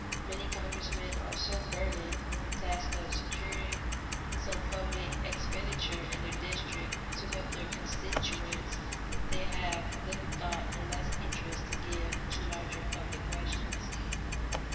Many congressmen are so burdened with the task of securing some public expenditure in their district to help their constituents that they have little thought and less interest to give to larger public questions.